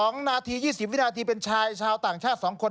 ๒นาที๒๐วินาทีเป็นชายชาวต่างชาติ๒คน